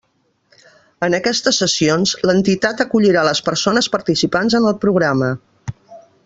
En aquestes sessions, l'entitat acollirà les persones participants en el Programa.